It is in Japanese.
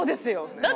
だって。